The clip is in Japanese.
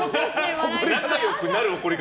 仲良くなる怒り方。